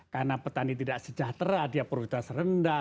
karena petani tidak sejahtera dia produktivitas rendah